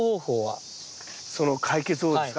その解決方法ですか？